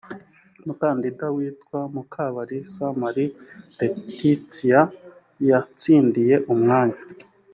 umukandida witwa mukabalisa marie laetitia yatsindiye umwanya.